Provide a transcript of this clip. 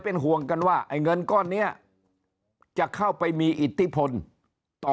เป็นห่วงกันว่าไอ้เงินก้อนนี้จะเข้าไปมีอิทธิพลต่อ